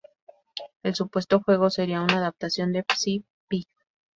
El supuesto juego sería una adaptación de Psy-Phi.